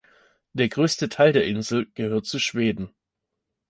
Der größte Teil der Insel gehört zu Schweden.